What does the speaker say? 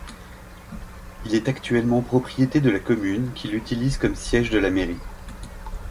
Il est actuellement propriété de la commune, qui l'utilise comme siège de la mairie.